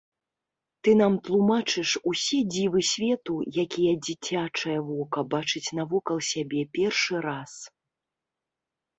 Ты нам тлумачыш усе дзівы свету, якія дзіцячае вока бачыць навокал сябе першы раз.